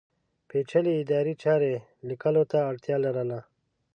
پېچلې ادارې چارې لیکلو ته اړتیا لرله.